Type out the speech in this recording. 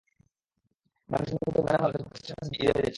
গান শুনতে শুনতে রুমনের মনে হলো ফেসবুকে স্ট্যাটাস দিই, ঈদে বাড়ি যাচ্ছি।